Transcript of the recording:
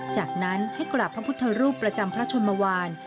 จากนั้นให้กราบพระพุทธรูปประจำพระชนมวาน